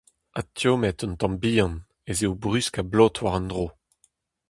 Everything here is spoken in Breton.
Adtommaet un tamm bihan, ez eo brusk ha blot war un dro.